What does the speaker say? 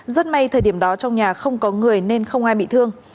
rất may thời điểm đó trong nhà không có người nên không ai bị thương